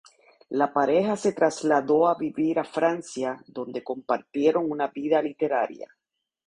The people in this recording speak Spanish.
La pareja se trasladó a vivir a Francia, donde compartieron una vida literaria.